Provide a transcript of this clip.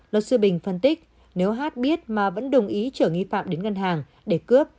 luật sư bình phân tích nếu hát biết mà vẫn đồng ý chở nghi phạm đến ngân hàng để cướp